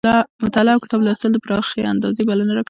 مطالعه اوکتاب لوستل د پراخې اندازې بلنه راکوي.